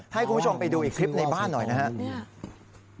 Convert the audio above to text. ให้คุณผู้ชมไปดูอีกคลิปในบ้านหน่อยนะครับ